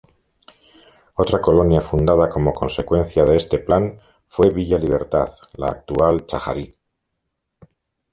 Otra colonia fundada como consecuencia de este plan fue Villa Libertad, la actual Chajarí.